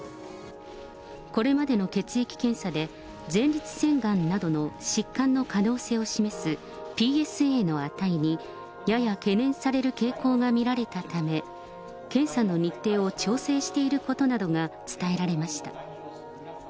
これまでの血液検査で、前立腺がんなどの疾患の可能性を示すＰＳＡの値にやや懸念される傾向が見られたため、検査の日程を調整していることなどが伝えられました。